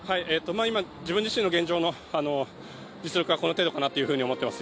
今、自分自身の現状の実力はこの程度かなと思ってます。